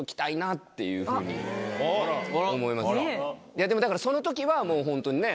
いやでもだからその時はもうホントにね。